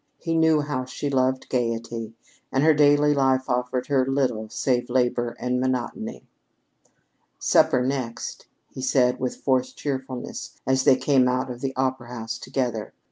He knew how she loved gayety; and her daily life offered her little save labor and monotony. "Supper next," he said with forced cheerfulness as they came out of the opera house together.